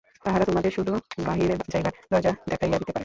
তাঁহারা তোমাকে শুধু বাহিরে যাইবার দরজা দেখাইয়া দিতে পারেন।